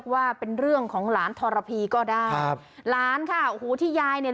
ว่าเป็นเรื่องของหลานทรพีก็ได้ครับหลานค่ะโอ้โหที่ยายเนี่ย